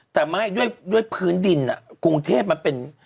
แต่ไม่ด้วยพื้นดินกรุงเทพมันเป็น